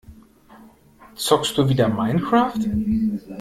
Zockst du wieder Minecraft?